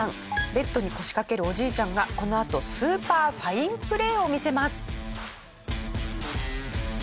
ベッドに腰かけるおじいちゃんがこのあとスーパーファインプレーを見せます。